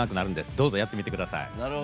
どうぞ、やってみてください。